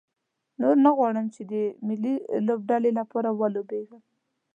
نور نه غواړم چې د ملي لوبډلې لپاره ولوبېږم.